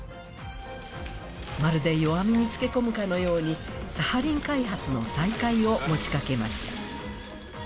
まるで弱みにつけ込むかのようにサハリン開発の再開を持ちかけました。